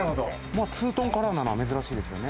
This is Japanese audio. ツートンカラーなのは珍しいですよね。